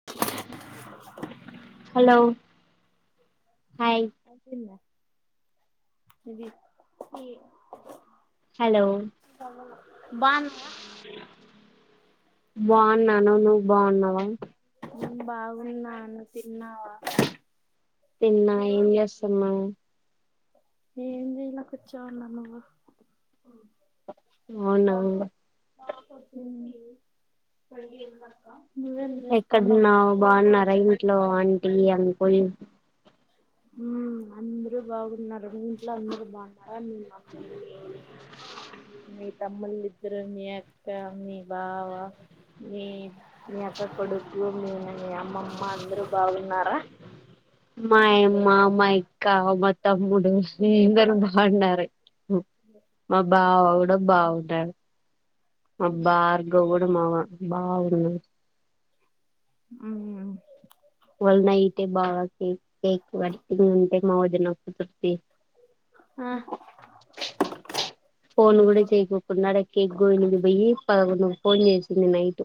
[inaudible] hello hi అయిపోయిందా ఇది కి హలో బాగున్నావా బాగున్నాను నువ్వు బాగున్నావా నేను బాగున్నాను తిన్నావా తిన్నా ఏంజేస్తున్నవ్ ఏం చేయల కూర్చో ఉన్నా నువ్వు అవునా మ్ నువ్వేంజేస్తాండవ్ ఎక్కడున్నావు బాగున్నారా ఇంట్లో ఆంటి అంకుల్ మ్ అందరు బాగున్నారు మీ ఇంట్లో అందరు బాగున్నారా మీ మమ్మీ మీ మీ తమ్ముల్లిద్దరు మీ అక్క మీ బావ మీ మీ అక్క కొడుకు మి మీ అమ్మమ్మ అందరూ బాగున్నారా మాయమ్మ మా అక్క మా తమ్ముడు అందరు బాగున్నారు మా బావ గూడ బాగున్నాడు మా బార్గవ్ కూడా మామ బాగుంది మ్ వాళ్ళ నైటే బాగా కేక్ కేక్ వట్టిగుంటే మావొదిన ఫిఫ్టీ ఆ [unintelligible] [unintelligible] ఫోన్లు కూడా చేయ్యికోకుండా ఆడ కేేక్ గోయనీకి పొయ్యి పదకొండు కు ఫోన్ చేసింది నైట్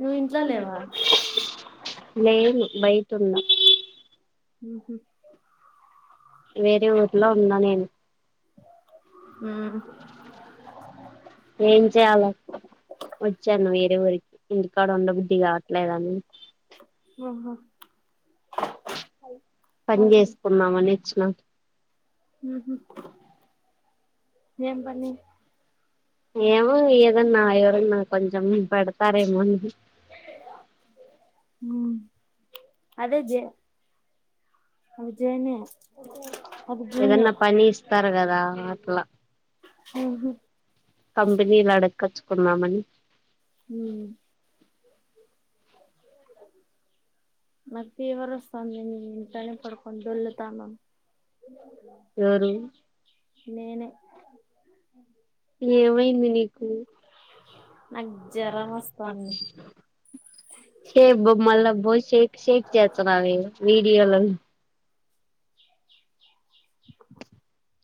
నువ్వింట్ల లేవా లేను బయిటున్నా మ్ హు వేరే ఊర్లో ఉన్న నేను మ్ ఏం చేయాల వొచ్చాను వేరే ఊరికి ఇంటి కాడ ఉండబుద్ధి కావట్లేదని ఓహో పని అవును జేసుకున్నామని ఇచ్చిన మ్ హు ఏం పని ఏమో ఏదన్నా ఎవరన్నా కొంచెం పెడతారేమోనని ఉ అదే జే అజయ్ అన్న ఏదన్న పని ఇస్తారు కదా అట్లా ఊహు కంపినీలు అడుక్కొచ్చుకుందామని ఊ నాకు ఫీవర్ వస్తంది నేను ఇంట్లోనే పడుకొని డొల్లుతాను ఎవరు నీనే ఏమైంది నీకు నాకు జ్వరం జరం వస్తాంది ఆతంది సే బొమ్మ బోయి శేక్ శేక్ చేస్తున్నవె వీడియోలను పిట్టల సౌండ్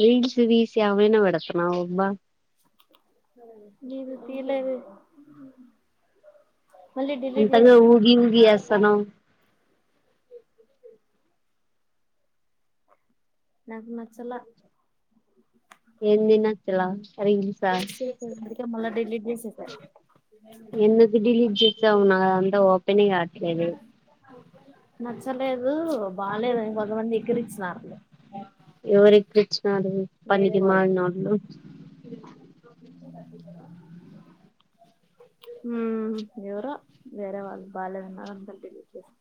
రీల్స్ తీసి ఏమన్న పెడతన్నవు అబ్బా నీను తీయలేదే అంతగ ఊగి ఊగి చేస్తున్నావు నాకు నచ్చలే ఏం తినొచ్చులా రీల్సా అందుకే మల్ల డిలీట్ చేసేసా ఎందుకు డిలీట్ చేసావు నా దాంట్ల ఓపెనే గాట్లేదు నచ్చలేదు బాలేదు కొంతమంది ఎక్కరిచ్చినారు ఎవరి ఎక్రిచ్చినారు వేరే పనికి వాళ్ళు మాలినోళ్ళు ఉ ఎవరో వేరే వాళ్ళు బాలేదు ఉన్నారు అందుకే డిలీట్ చేశాను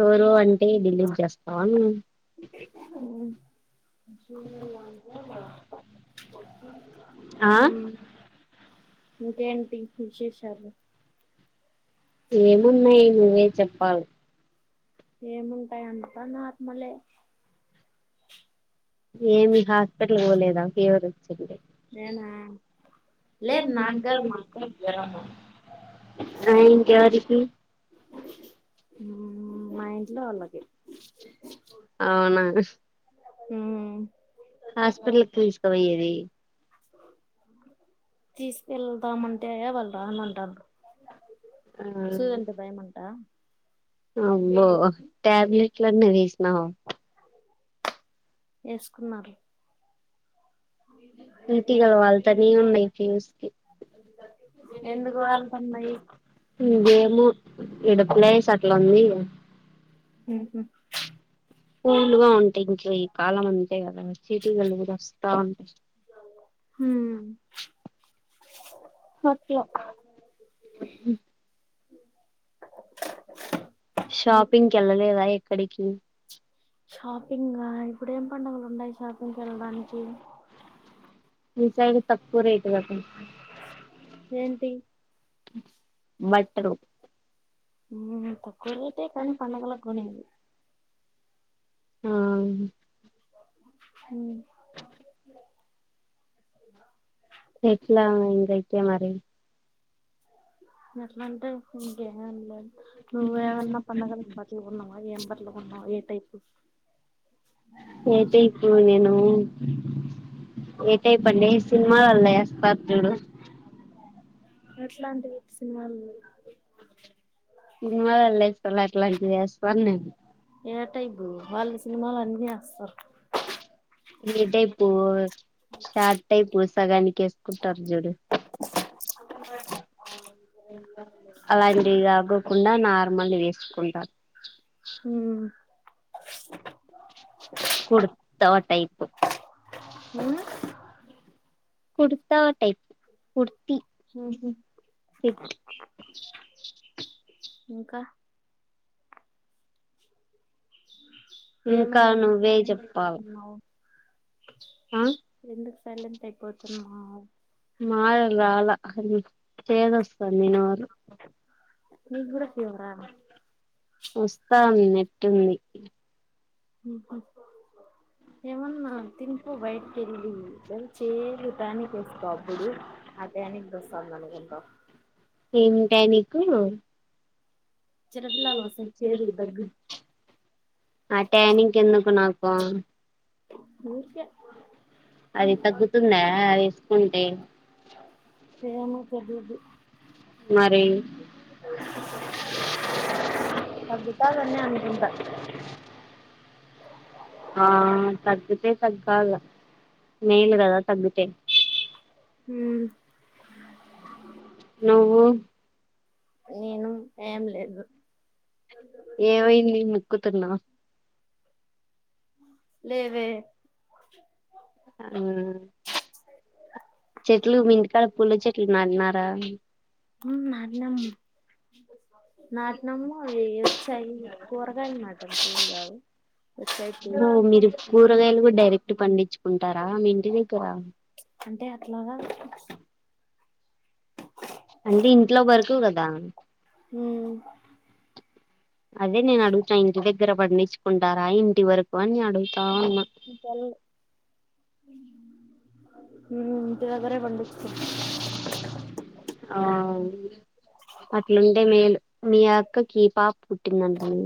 ఎవరో అంటే డిలీట్ చేస్తావా నువ్వు ఉ ఆ ఉ ఇంకెంటి విశేషాలు ఏమున్నయి నువ్వే చెప్పాలి ఏముంటయి అంతా నార్మలే ఏమి హాస్పిటల్ కి పోలేదా ఫీవర్ వచ్చింది నీనా లేదు నాగాదు మా అక్కకి జరము ఆ ఇంకెవరికి ఉ మా ఇంట్లో వాళ్ళకి అవునా ఉ హాస్పిటల్ కి తీసుకుపోయేది తీసుకెళ్దామంటే అ వాళ్ళు రానంటారు ఆ సుది అంటే భయమ ఆ అబ్బో టాబ్లెట్లు అన్న వేసినావు ఏసుకున్నారు తేనెటీగలు వాళ్ళతనే ఉన్నాయి ఫ్యూస్ కి ఎందుకు వాలుతున్నాయి ఏమో ఇడ ప్లేస్ అట్ల ఉంది ఉహు కూలు గా ఉంటాయి ఇంకా ఈ కాలం అంతే కదా చీటికలు కూడా వస్తా ఉంటాయి హుమ్ ఓకే య ఓకే షాపింగ్కి ఎళ్ళలేదా ఎక్కడికి షాపింగా ఇప్పుడు ఏం పండగలు ఉన్నాయ్ షాపింగ్కి వెళ్ళడానికి మీ సైడు తక్కువ రేటు కదా ఏంటి బట్టలు ఊ తక్కువ రేటే కానీ పండుగలకు కొనేది ఆ ఊ తెచ్చినామే ఇంకెట్ట మరి నువ్వు అట్ల అంటే ఇంకేమేమ్ లేదు నువ్వేమన్న పండగలకి బట్ చీరలు కొన్నవా ఏం బట్టలు కొన్నావు ఏ టైపు ఏ టైపు నేనూ ఏటైపు అంటే సినిమాలల్లో ఏస్తారు చుడూ ఎట్లాంటివి సినిమాలు సినిమాలల్లో ఏస్తారు అట్లాంటివి ఏస్కోను నేను ఏ టైపు వాళ్ళు సినిమాలో అన్నీ ఏస్తారు ఏ టైపూ షార్ట్ టైపు సగానిక్ ఎస్త్ కుంటారు చూడు అలాంటివి గాకోకుండా నార్మల్వి ఏస్కుంటా ఊ కుర్తా టైపు కుర్తా టైప్ కుర్తి ఊహు సెట్ ఇంకా ఇంకా ఏమైంది నువ్వే చెప్పాలి తిన్నావ్ ఆ ఎందుకు సైలెంట్ అయిపోతున్నావ్ మార రాలా చేదొస్తాంది నోరు మీక్కూడ ఫీవరా ఉన్నట్ ఉండి మీకు ఏమన్నా తినుపో బైటికెళ్ళీ చెన్ ఛేదు టానిక్ ఏస్తా అప్పుడు ఆ టానిక్ దొస్తాంధనుకుంటా ఏమేమ్ టానిక్కు చిన్నపిల్లలది వస్తది ఛేదు దగ్గు ఆ టానిక్ ఎందుకు నాకూ ఊర్కే అది తగ్గుతుందా అది ఏస్కుంటే ఏమొ తెలీదు మరీ తగ్గుతాదనే అనుకుంటా ఆ తగ్గుతే తగ్గాల మేలు కదా తగ్గుతే ఊ నువ్వూ నేనూ ఏం లేదు ఏమైంది ముక్కుతున్నావ్ లేదే ఆ చెట్లు మి ఇంటికాడ పూల చెట్లు నాటి నారా హ్మ్ నాటినం నాటినం అయి వచ్చాయి కూరగాయ్ నాట్ వచ్చాయి తి ఓ మీరు కూరగాయలు కూడా డైరెక్ట్ పండించుకుంటారా మీ ఇంటి దగ్గర అంటే అట్లాగా అంటే ఇంట్లో వరకు కదా హ్మ్ అదే నేన్ అడుగుతున్న ఇంటి దగ్గర పండించుకుంటారా ఇంటి వరకు అని అడుగ్ పల్ హ్మ్ ఇంటి దగ్గరే పండిచ్కుంటా అవ్ అట్లుంటే మేలు మీ అక్కకి పాప పుట్టిందంటనే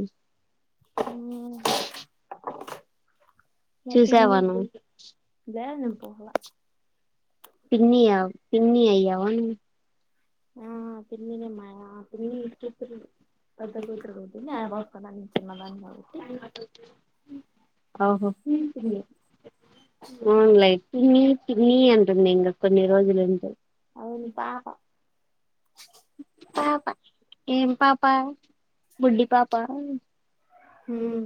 హ్మ్ మా చూసావా పిన్నికి నువ్వు పుట్టి నేన్ పోలా పిన్ని ఆ పిన్ని అయ్యావానువ్ ఆ పిన్నినే మయ్య పిన్ని కూతురు పెద్ద కూతురు పుట్టింది ఆ పిన్నానా చిన్నదాన్ని కాబట్టి ఓహో పిన్ని అవునులే పిన్ని పిన్ని అంటుంది ఇంగ కొన్ని రోజులయితె అవును పాప పాప ఏం పాప బుడ్డి పాప ఉమ్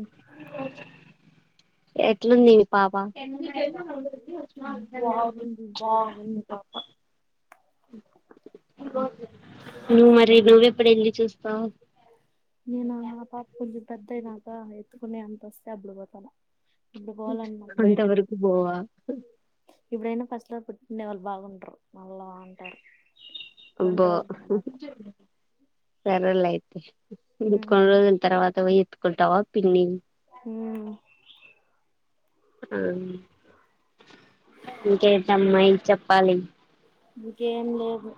ఎట్లుంది పాప బాగుంది బాగుంది పాప మ్ మరి నువ్వ ఎప్పుడు వెళ్ళి చూస్తావు నేను పాప కొంచెం పెద్దయినాక ఎత్తుకునే అంత వస్తే అప్పుడు పోతాను ఇప్పుడు పోవాలంటే నాకు భయమే అంతవరకు పోవా ఇప్పుడైనా ఫస్ట్లో పుట్టిండే వాళ్ళు బావుండారు మనళ అంటారు కొన్ని అబ్బో రోజుల తర్వాత సరేలే అయితే ఇంకా ఉమ్ కొన్ని రోజుల తర్వాత పొయ్యి ఏత్తుకుంటావా పిన్ని మ్ ఆ ఇంకా ఏంటి అమ్మాయి చెప్పాలి ఇంకేం లేదు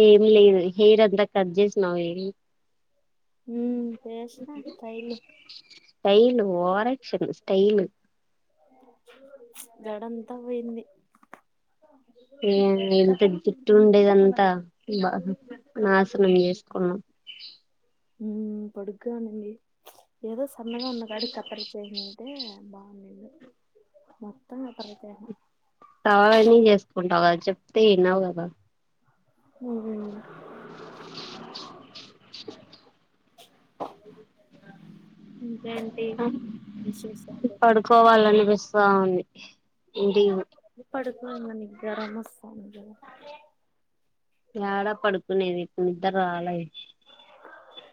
ఏమి లేదు హెయిర్ అంత కట్ చేసినావే మ్ చేషినా స్టైల్ స్టైల్ ఓరక్షన్ స్టైల్ జడంత పోయింది ఏందీ ఎంత జుట్టు ఉండేదంతా బా నాశనం చేసుకున్నాం మ్ పొడుగ్గ ఉంది ఏదో సన్నగా ఉన్న కాడి కత్తరిచ్చేసిన తే బాగుండింది మొత్తం కత్తిరిచ్చేసిన కావాలనే చేసుకుంటావు కదా చెప్తే వినవ్ కదా మ్ ఇంకే పడుకోవాలనిపిస్తా ఉంది ఇంటికి పడుకో [unintelligible] యాడ పడుకునేది ఇప్పుడు నిద్ర రాలె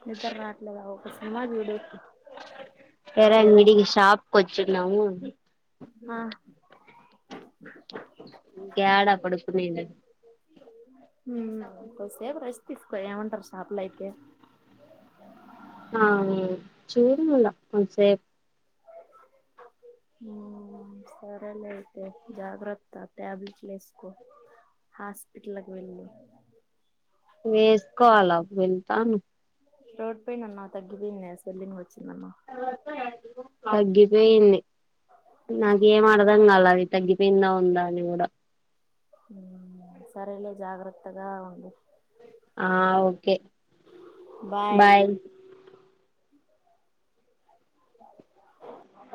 నిద్ర రట్లేద ఒక సినిమా చూడు ఏదైనా [unintelligible] షాప్ కి వచ్చినాము ఆ ఇంక యాడ పడుకునేది ఉమ్ కొద్దీ సేపు రెస్ట్ తీసుకో ఏమంటారు షాప్ లో అయితే ఆ చూడు [unintelligible] ఉమ్ సరేలే అయితే జాగ్రత్త టాబ్లెట్లూ వేసుకో హాస్పిటల్కి వేళ్ళు వేసుకోవాల [unintelligible] త్రోట్ పెయిన్ అన్న స్వేలింగ్ వచ్చింది అన్న తగ్గిపోయింది నాకేం అర్థంగలే అది తగ్గిపోయిందా ఉందా అని కూడ ఉమ్ సరేలే జాగ్రత్తగ ఉండు ఆ ఓకే బాయ్